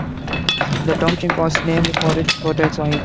The township was named for its fertile soil.